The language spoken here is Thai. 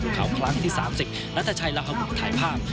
กรุงขาวพลังที่สามสิบรัฐชายราวภาพภูมิถ่ายภาพ